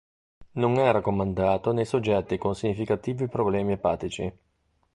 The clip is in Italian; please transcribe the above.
Non è raccomandato nei soggetti con significativi problemi epatici.